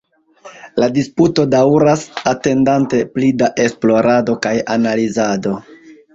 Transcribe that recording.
La disputo daŭras, atendante pli da esplorado kaj analizado.